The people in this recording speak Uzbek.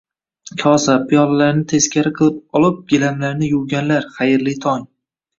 Kosa, piyolalarni teskari qilib olib, gilamlarni yuvganlar, xayrli tong!